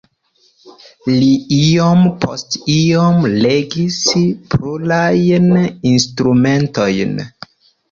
Li iom post iom regis plurajn instrumentojn.